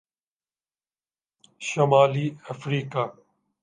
شمالی افریقہ